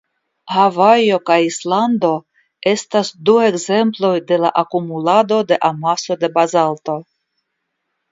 Havajo kaj Islando estas du ekzemploj de la akumulado de amaso de bazalto.